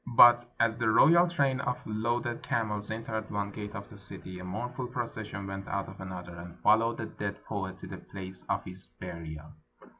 But as the royal train of loaded camels entered one gate of the city, a mournful procession went out of another, and followed the dead poet to the place of his burial.